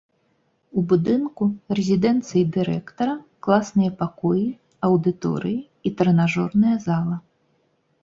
У будынку рэзідэнцыі дырэктара, класныя пакоі, аўдыторыі і трэнажорная зала.